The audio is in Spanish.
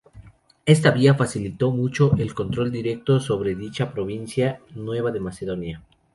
Esta vía facilitó mucho el control directo sobre dicha provincia nueva de Macedonia.